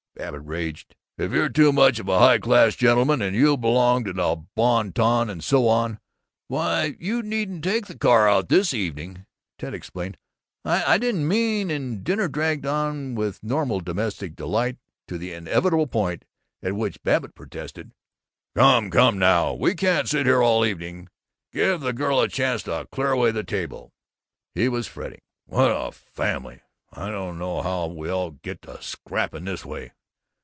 Babbitt raged, "If you're too much of a high class gentleman, and you belong to the bon ton and so on, why, you needn't take the car out this evening." Ted explained, "I didn't mean " and dinner dragged on with normal domestic delight to the inevitable point at which Babbitt protested, "Come, come now, we can't sit here all evening. Give the girl a chance to clear away the table." He was fretting, "What a family! I don't know how we all get to scrapping this way.